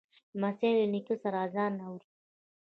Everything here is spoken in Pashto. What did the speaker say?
لمسی له نیکه سره آذان اوري.